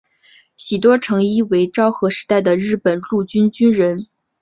喜多诚一为昭和时代的日本陆军军人。